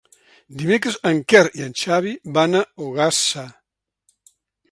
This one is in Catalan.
Dimecres en Quer i en Xavi van a Ogassa.